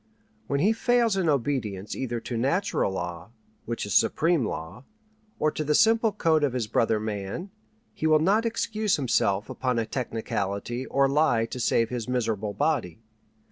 When he fails in obedience either to natural law (which is supreme law), or to the simple code of his brother man, he will not excuse himself upon a technicality or lie to save his miserable body.